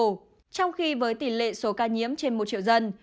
trong khi với tỷ lệ số ca nhiễm trên một triệu dân